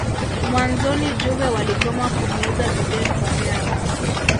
Mwanzoni juve waligoma kumuuza Zidane kwa real